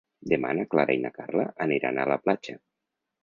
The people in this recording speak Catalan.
Demà na Clara i na Carla aniran a la platja.